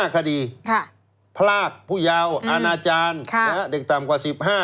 ๕คดีพรากผู้ยาวอาณาจารย์เด็กต่ำกว่า๑๕